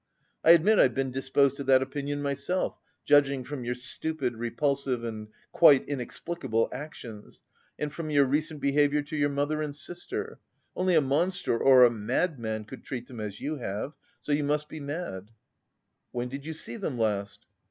I admit I've been disposed to that opinion myself, judging from your stupid, repulsive and quite inexplicable actions, and from your recent behavior to your mother and sister. Only a monster or a madman could treat them as you have; so you must be mad." "When did you see them last?"